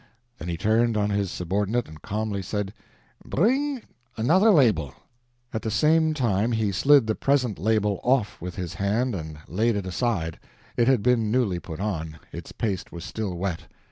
Then he turned on his subordinate and calmly said, "Bring another label." At the same time he slid the present label off with his hand and laid it aside; it had been newly put on, its paste was still wet.